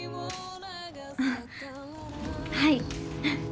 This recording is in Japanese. あっはい。